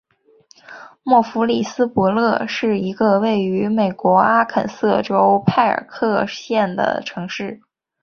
默弗里斯伯勒是一个位于美国阿肯色州派克县的城市。